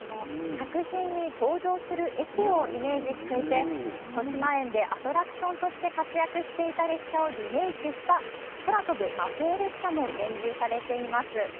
作品に登場する駅をイメージしていて、としまえんでアトラクションとして活躍していた列車をリメークした、空飛ぶ魔法列車も展示されています。